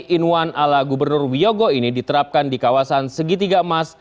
tiga in satu ala gubernur wiyogo ini diterapkan di kawasan segitiga emas